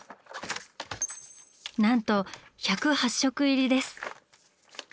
なんと１０８色入りです！